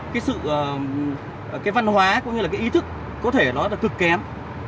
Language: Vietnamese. cái văn hóa cũng như là cái ý thức có thể nó cực kém